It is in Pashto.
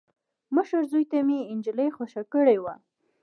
مشر زوي ته مې انجلۍ خوښه کړې وه.